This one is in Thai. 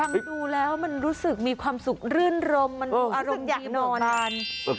ฟังดูแล้วมันรู้สึกมีความสุขรื่นรมมันดูอารมณ์ดีนอน